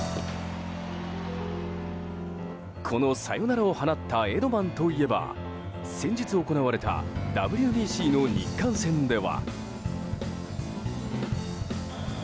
このサヨナラを放ったエドマンといえば先日、行われたＷＢＣの日韓戦では。